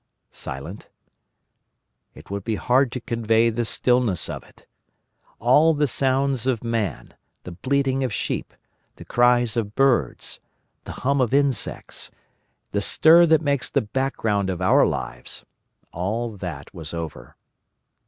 Silent? It would be hard to convey the stillness of it. All the sounds of man, the bleating of sheep, the cries of birds, the hum of insects, the stir that makes the background of our lives—all that was over.